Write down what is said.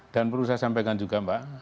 dan perlu saya sampaikan juga mbak